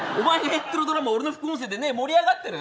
俺の副音声で盛り上がってる。